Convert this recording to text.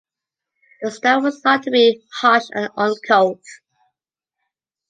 The style was thought to be harsh and uncouth.